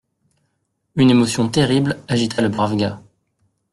Une émotion terrible agita le brave gars.